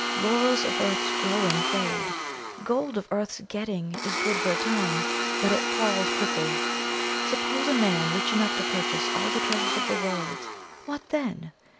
Laurels of earth's growing fade; gold of earth's getting is good for a time, but it palls quickly. Suppose a man rich enough to purchase all the treasures of the world what then?